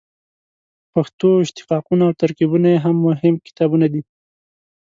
پښتو اشتقاقونه او ترکیبونه یې هم مهم کتابونه دي.